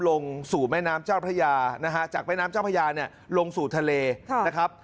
ลงสู่แม่น้ำเจ้าพระยานะฮะจากแม่น้ำเจ้าพระยาเนี่ยลงสู่ทะเลนะครับ